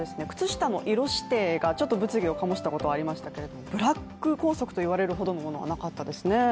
靴下の色指定がちょっと物議を醸したことがありましたけどブラック校則といわれるほどのものはなかったですね。